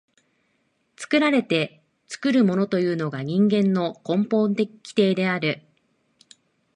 作られて作るものというのが人間の根本的規定である。